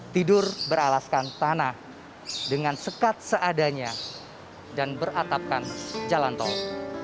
tidur beralaskan tanah dengan sekat seadanya dan beratapkan jalan tol